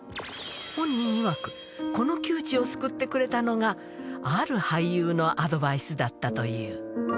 本人いわく、この窮地を救ってくれたのが、ある俳優のアドバイスだったという。